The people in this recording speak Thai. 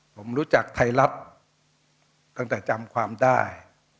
ผมรู้จักไทยรัฐตั้งแต่จำความได้